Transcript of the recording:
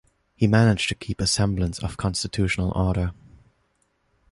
He managed to keep a semblance of constitutional order.